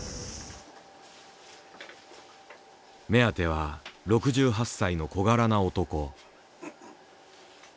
目当ては６８歳の小柄な男。